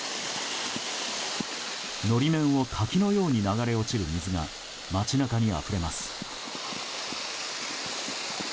法面を滝のように流れ落ちる水が街中にあふれます。